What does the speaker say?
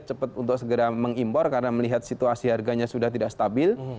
cepat untuk segera mengimpor karena melihat situasi harganya sudah tidak stabil